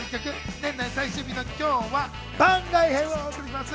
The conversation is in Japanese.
年内最終日の今日も番外編をお送りいたします。